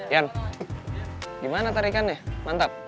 yan gimana tarikannya mantap